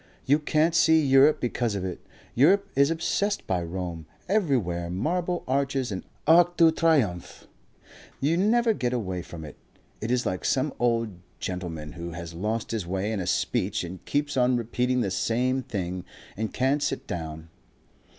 You can't see Europe because of it. Europe is obsessed by Rome. Everywhere Marble Arches and ARCS DE TRIOMPHE. You never get away from it. It is like some old gentleman who has lost his way in a speech and keeps on repeating the same thing. And can't sit down.